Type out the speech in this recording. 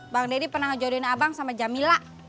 bang deddy pernah ngejodohin abang sama jamila